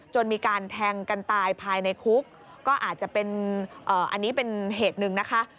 มีการแทงกันตายภายในคุกก็อาจจะเป็นอันนี้เป็นเหตุหนึ่งนะคะ